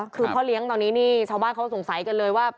คือพ่อเลี้ยงตอนนี้นี่ชาวบ้านเขาสงสัยกันเลยว่า